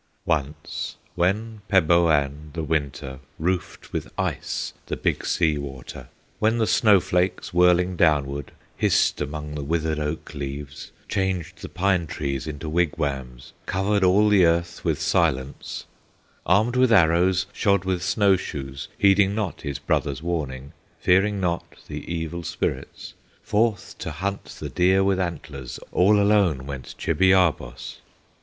Once when Peboan, the Winter, Roofed with ice the Big Sea Water, When the snow flakes, whirling downward, Hissed among the withered oak leaves, Changed the pine trees into wigwams, Covered all the earth with silence, Armed with arrows, shod with snow shoes, Heeding not his brother's warning, Fearing not the Evil Spirits, Forth to hunt the deer with antlers All alone went Chibiabos.